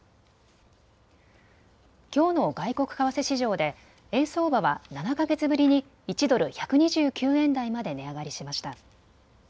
きょうの外国為替市場で円相場は７か月ぶりに１ドル１２９円台まで値上がりしました。